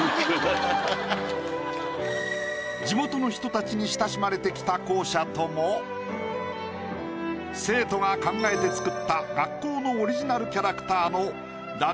地元の人たちに親しまれてきた校舎とも生徒が考えて作った学校のオリジナルキャラクターの館